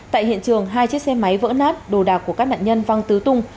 tại hiện trường hai chiếc xe máy vỡ nát đồ đạc của các nạn nhân văng tứ tung